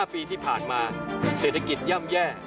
ปีที่ผ่านมาเศรษฐกิจย่ำแย่